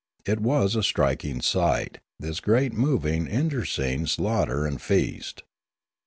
It was a striking sight, this great moving internecine slaughter and feast.